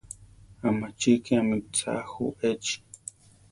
¿Amachíkiame tza ju echi?